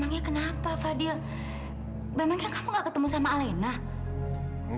dan kita nggak bisa ketemu lagi